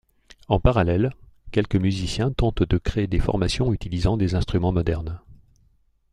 En parallèle, quelques musiciens tentent de créer des formations utilisant des instruments modernes.